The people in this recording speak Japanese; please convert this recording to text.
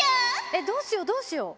えっどうしようどうしよう。